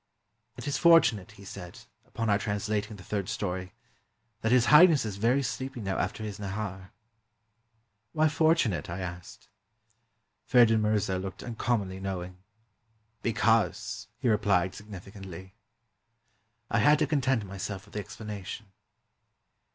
"It is fortunate," he said, upon our translating the third story, " that His Highness is very sleepy now after his nahar." "Why 'fortunate'?" I asked. Feridun Mirza looked uncommonly knowing. "Be cause," he rephed significantly. 396 POE'S TALES AT THE PERSIAN COURT I had to content myself with the explanation.